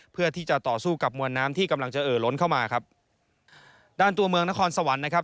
เพื่อที่จะต่อสู้กับมวลน้ำที่กำลังจะเอ่อล้นเข้ามาครับด้านตัวเมืองนครสวรรค์นะครับ